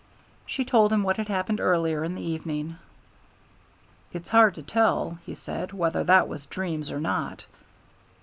She told him what had happened earlier in the evening. "It's hard to tell," he said, "whether that was dreams or not."